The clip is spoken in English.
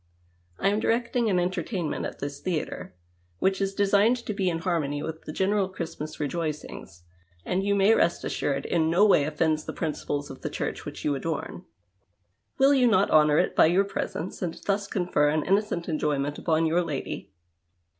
I am directing an entertainnu ut at this theatre, which is designed to be in harmony with the general Christmas rejoicings, and, you may rest assured, in no way offends the jirinciples of the Ciuireh which you adorn. Will you not honour it by your presence and thus confer an innocent enjoyment upon your lady